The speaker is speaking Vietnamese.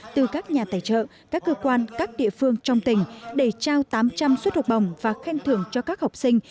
từ các nhà tài trợ các cơ quan các địa phương trong tỉnh để trao tám trăm linh suất học bổng và khen thưởng cho các học sinh